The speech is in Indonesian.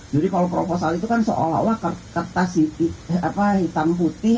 jadi kalau proposal itu kan seolah olah kertas hitam putih